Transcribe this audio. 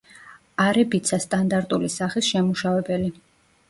არებიცას სტანდარტული სახის შემმუშავებელი.